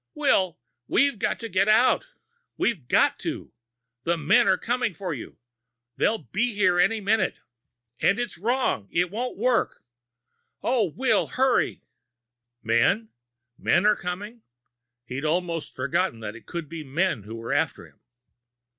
"Will, we've got to get out. We've got to. The men are coming for you. They'll be here any minute. And it's wrong it won't work! Oh, Will, hurry!" "Men? Men are coming?" He'd almost forgotten that it could be men who were after him.